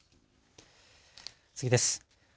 次です。